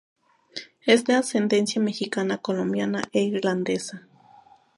Es de ascendencia mexicana, colombiana e irlandesa.